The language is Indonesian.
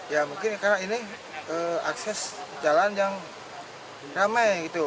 ya mungkin karena ini akses jalan yang ramai gitu